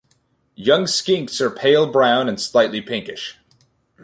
Young skinks are pale brown and slightly pinkish.